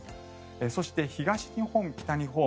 そして、東日本、北日本。